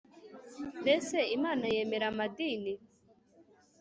Mbese imana yemera amadini